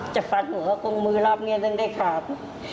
จะฝัดหัวพวกมือร้าบเงียนตั้งได้ขาด